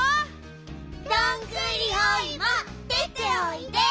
どんぐりおいもでておいで！